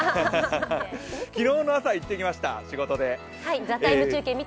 昨日の朝、行ってきました仕事で。